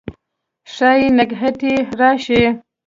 ښايي نګهت یې راشي